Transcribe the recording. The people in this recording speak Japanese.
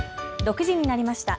６時になりました。